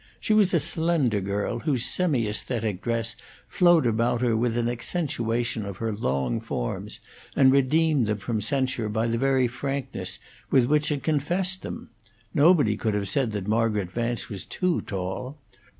She was a slender girl, whose semi aesthetic dress flowed about her with an accentuation of her long forms, and redeemed them from censure by the very frankness with which it confessed them; nobody could have said that Margaret Vance was too tall.